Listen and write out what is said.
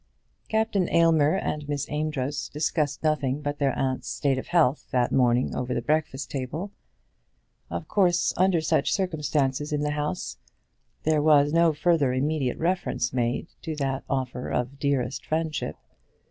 Captain Aylmer and Miss Amedroz discussed nothing but their aunt's state of health that morning over the breakfast table. Of course, under such circumstances in the house, there was no further immediate reference made to that offer of dearest friendship.